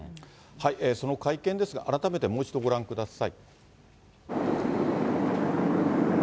その会見ですが、改めてもう一度ご覧ください。